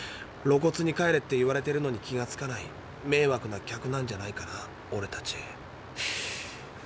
ろこつに「帰れ」って言われてるのに気がつかない迷惑な客なんじゃないかなオレたち。